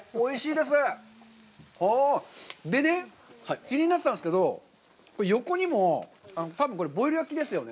でね、気になってたんですけど、これ、横にも、多分これ、ホイル焼きですよね。